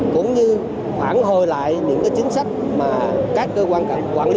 cũng như phản hồi lại những chính sách mà các cơ quan quản lý